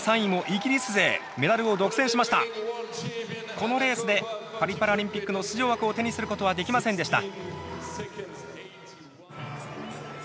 このレースでパリパラリンピックの出場枠を手にすることはできませんでした。